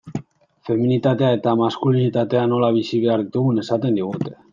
Feminitatea eta maskulinitatea nola bizi behar ditugun esaten digute.